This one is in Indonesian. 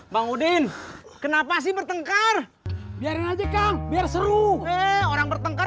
bang udin kenapa sih bertengkar biarin aja kang biar seru orang bertengkar